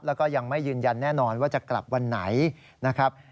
แล้วก็ยังไม่ยืนยันแน่นอนว่าจะกลับวันไหนนะครับ